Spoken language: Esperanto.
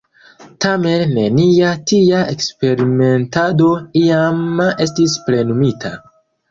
Tamen, nenia tia eksperimentado iam estis plenumita.